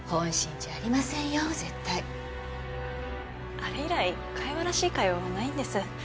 あれ以来会話らしい会話もないんです。